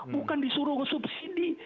bukan disuruh ngesubsidi